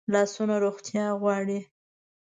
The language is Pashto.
لاسونه روغتیا غواړي